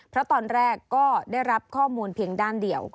เพราะตอนแรกก็ได้รับข้อมูลเพียงด้านเดียว